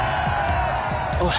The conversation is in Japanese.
おい。